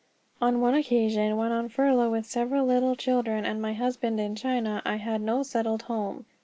On one occasion when on furlough with several little children, and my husband in China, I had no settled home.